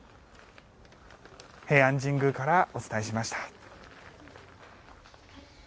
平安神宮からお伝えしました。